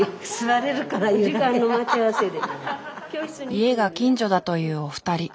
家が近所だというお二人。